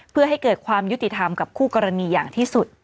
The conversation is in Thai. เพื่อให้เกิดความยุติธรรมกับคู่กรณีอย่างที่สุด